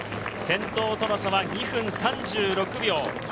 先頭との差は２分３６秒。